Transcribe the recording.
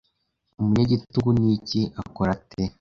umunyagitugu niki akora ate